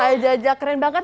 ayah jaja keren banget